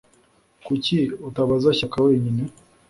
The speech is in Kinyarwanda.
Kuki utabaza Shyaka wenyine